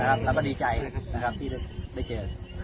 นะครับแล้วก็ดีใจนะครับที่ได้เจอ